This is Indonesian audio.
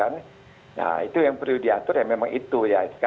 nah itu yang perlu diatur ya memang itu ya